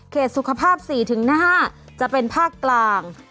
สุขภาพ๔๕จะเป็นภาคกลาง